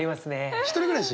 １人暮らし？